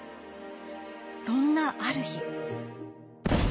そんなある日。